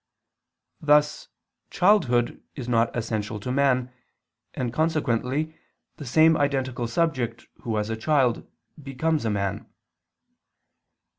Thus childhood is not essential to man and consequently the same identical subject who was a child, becomes a man.